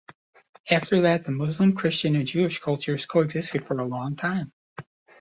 After that, the Muslim, Christian and Jewish cultures coexisted for a long time.